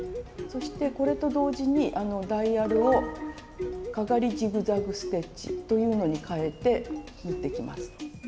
そしてこれと同時にダイヤルをかがりジグザグステッチというのに変えて縫っていきます。